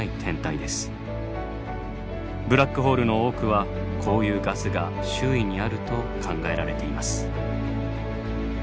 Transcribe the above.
ブラックホールの多くはこういうガスが周囲にあると考えられています。